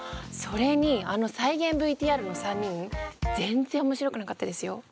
それにあの再現ＶＴＲの３人全然面白くなかったですよ。